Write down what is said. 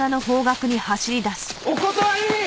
お断り！